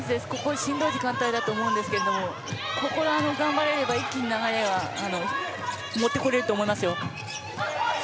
しんどい時間帯だと思うんですけどここを頑張れば一気に流れを持ってこれると思います。